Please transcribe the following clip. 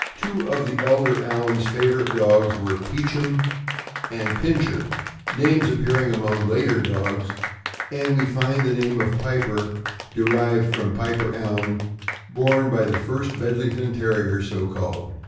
Two of the elder Allan's favorite dogs were Peachem and Pincher, names appearing among later dogs; and we find the name of Piper, derived from Piper Allan, borne by the first Bedlington Terrier, so called.